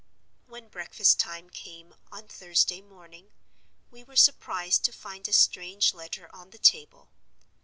"When breakfast time came (on Thursday morning), we were surprised to find a strange letter on the table.